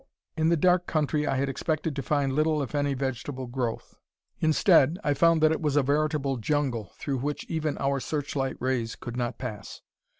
In the dark country I had expected to find little if any vegetable growth. Instead, I found that it was a veritable jungle through which even our searchlight rays could not pass.